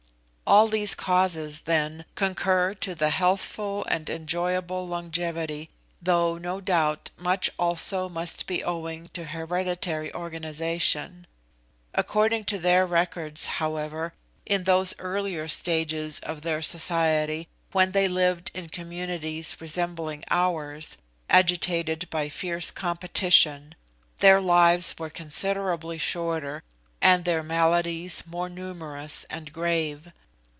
All these causes, then, concur to their healthful and enjoyable longevity, though, no doubt, much also must be owing to hereditary organisation. According to their records, however, in those earlier stages of their society when they lived in communities resembling ours, agitated by fierce competition, their lives were considerably shorter, and their maladies more numerous and grave.